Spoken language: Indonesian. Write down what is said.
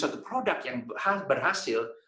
satu produk yang berhasil